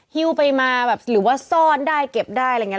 ฮิวไปมาแบบหรือว่าซ่อนได้เก็บได้อะไรอย่างนี้